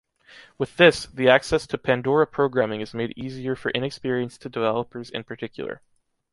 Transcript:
With this, the access to “Pandora programming” is made easier for inexperienced developers in particular.